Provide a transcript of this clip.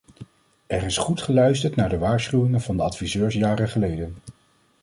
Er is goed geluisterd naar de waarschuwingen van de adviseurs jaren geleden.